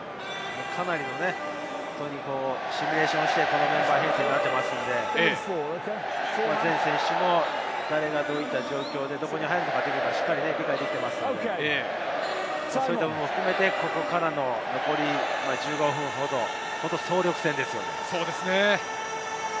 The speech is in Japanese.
かなりシミュレーションをして、このメンバーになっていますので、誰がどういった状況で、どこに入るのか、しっかり把握していますので、それも含めて、ここから残り１５分ほど、総力戦ですね。